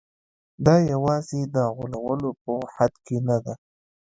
دا یوازې د غولولو په حد کې نه ده.